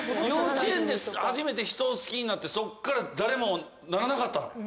幼稚園で初めて人を好きになってそこから誰もならなかったの？